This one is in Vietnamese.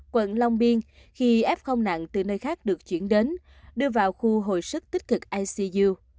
quận long biên khi f nặng từ nơi khác được chuyển đến đưa vào khu hồi sức tích cực icu